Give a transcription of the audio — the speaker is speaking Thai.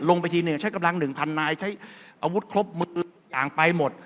ลงไปทีหนึ่งใช้กำลัง๑๐๐นายใช้อาวุธครบมืออย่างไปหมด